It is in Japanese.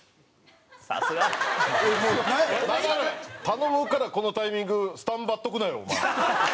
頼むからこのタイミングスタンバっとくなよお前。